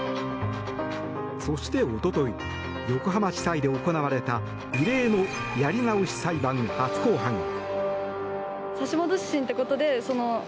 そして、おととい横浜地裁で行われた異例のやり直し裁判初公判。